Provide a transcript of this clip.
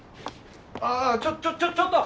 あちょちょちょちょっと！